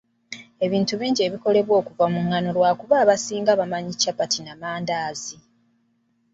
Ebintu bingi ebikolebwa okuva mu ngano lwakuba abasinga bamanyi capati ne mandaazi